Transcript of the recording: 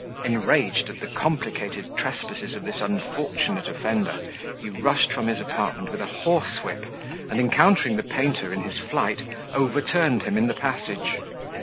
Enraged at the complicated trespasses of this unfortunate offender, he rushed from his apartment with a horsewhip, and, encountering the painter in his flight, overturned him in the passage.